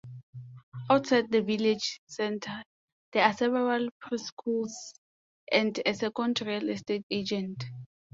Outside the village centre there are several preschools and a second real estate agent.